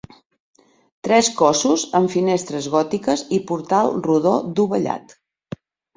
Tres cossos amb finestres gòtiques i portal rodó dovellat.